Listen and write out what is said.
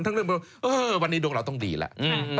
ทั้งเรื่องว่าเออวันนี้ดวงเราต้องดีแล้ว